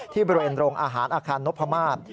ที่บริเวณโรงอาหารอาคารนพมาศ